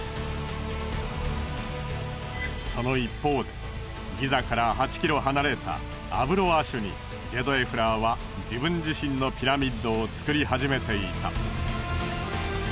その一方でギザから８キロ離れたアブ・ロアシュにジェドエフラーは自分自身のピラミッドを造り始めていた。